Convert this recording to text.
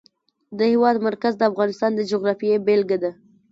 د هېواد مرکز د افغانستان د جغرافیې بېلګه ده.